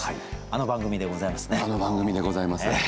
あの番組でございますね。